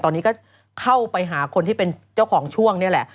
ตอนนี้ก็เข้าไปหาคนที่เป็นเจ้าของช่วงนี่แหละ